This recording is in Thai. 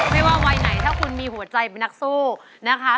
ไม่ว่าวัยไหนถ้าคุณมีหัวใจเป็นนักสู้นะคะ